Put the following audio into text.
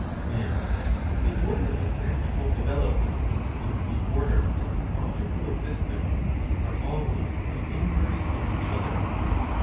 ^ Now the order of actual development and the order of logical existence are always the inverse of each other.